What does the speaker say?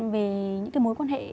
về những cái mối quan hệ